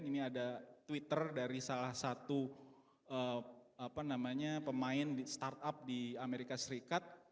ini ada twitter dari salah satu pemain startup di amerika serikat